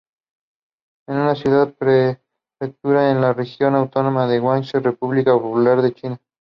Es una ciudad-prefectura en la región autónoma de Guangxi, República Popular de China.